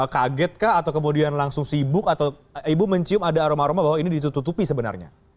kaget kah atau kemudian langsung sibuk atau ibu mencium ada aroma aroma bahwa ini ditutupi sebenarnya